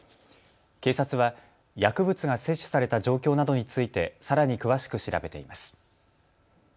警察は薬物が摂取された状況などについてさらに詳しく調べています。